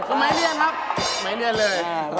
สมัยเรียนครับเมื่อเลียนเลย